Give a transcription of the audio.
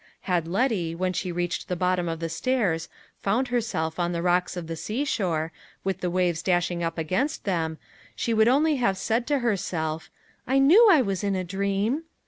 Had Letty, when she reached the bottom of the stairs, found herself on the rocks of the seashore, with the waves dashing up against them, she would only have said to herself, "I knew I was in a dream!"